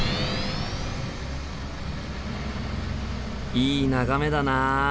いい眺めだな！